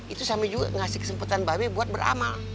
itu same juga ngasih kesempatan mba be buat beramal